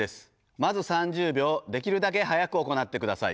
まず３０秒できるだけ速く行って下さい。